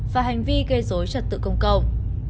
và hành vi gây rối trật tự công cộng